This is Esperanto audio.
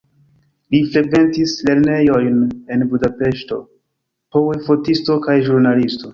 Li frekventis lernejojn en Budapeŝto poe fotisto kaj ĵurnalisto.